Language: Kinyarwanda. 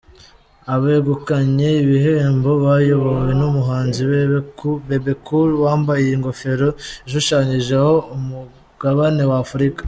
Abegukanye ibihembo bayobowe n'umuhanzi Bebe Cool wambaye ingofero ishushanyijeho umugabane w'Afrika.